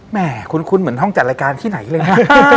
แม่คุ้นเหมือนห้องจัดรายการที่ไหนเลยนะ